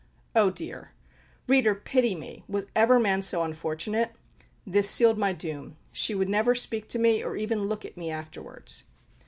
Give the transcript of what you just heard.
Oh dear! reader, pity me: was ever man so unfortunate? This sealed my doom. She would never speak to me, or even look at me afterwards.